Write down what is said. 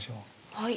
はい。